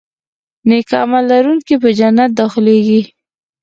نیک عمل لرونکي به جنت ته داخلېږي.